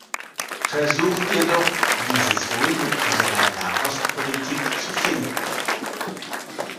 Versuchen wir doch, dieses Wohl mit unserer Nahostpolitik zu finden.